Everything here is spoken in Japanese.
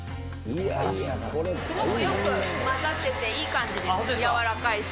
すごくよく混ざってていい感じです、柔らかいし。